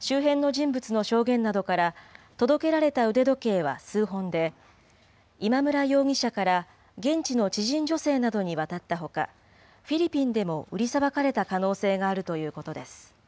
周辺の人物の証言などから、届けられた腕時計は数本で、今村容疑者から現地の知人女性などに渡ったほか、フィリピンでも売りさばかれた可能性があるということです。